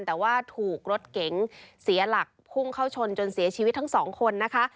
แต่ว่าถูกรถเก๋งเสียหลักพุ่งเข้าชนจนเสียชีวิตทั้งสองคนนะคะ